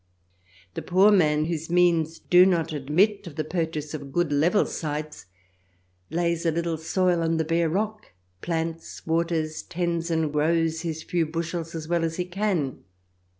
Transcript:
The poor man, whose means do not admit of the purchase of good level sites, lays a little soil on the bare rock, plants, waters, tends and grows his few bushels as well as he can.